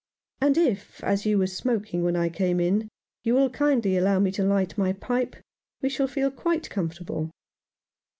"And if, as you were smoking when I came in, you will kindly allow me to light my pipe, we shall feel quite comfortable."